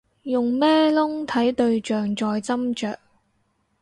用咩窿睇對象再斟酌